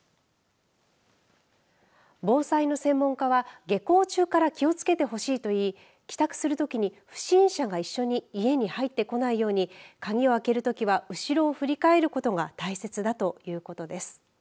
防災の専門家は下校中から気を付けてほしいといい帰宅するときに不審者が一緒に家に入ってこないように鍵を開けるときは後ろを振り返ることが大切だということです。